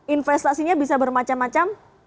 investasinya bisa bermacam macam